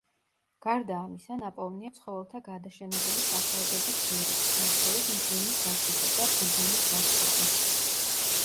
გარდა ამისა, ნაპოვნია ცხოველთა გადაშენებული სახეობების ძვლებიც, მათ შორის მღვიმის დათვისა და ბიზონის ნაშთები.